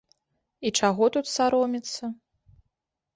І чаго тут саромецца?